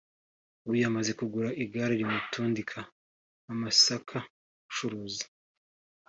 ubu yamaze kugura igare rimutundika amasaka acuruza